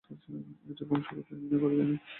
এটির বংশগতি নির্ণয় করা যায়নি।